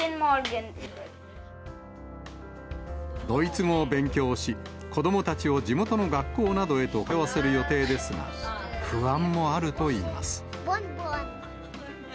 ドイツ語を勉強し、子どもたちを地元の学校などへと通わせる予定ですが、不安もあるといいます。